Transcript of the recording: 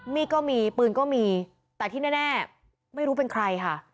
มีดก็มีปืนก็มีแต่ที่แน่ไม่รู้เป็นใครค่ะ